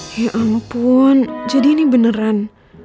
ya ampun jadi ini beneran